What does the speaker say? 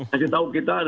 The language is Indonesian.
kasih tahu kita